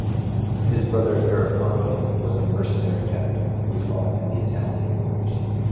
His brother Eriprando was a mercenary captain who fought in the Italian Wars.